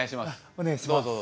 お願いします。